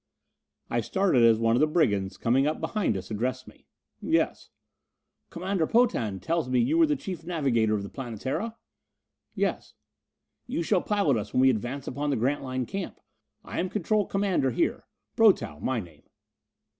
I started as one of the brigands, coming up behind us, addressed me. "Yes." "Commander Potan tells me you were chief navigator of the Planetara?" "Yes." "You shall pilot us when we advance upon the Grantline camp. I am control commander here Brotow, my name."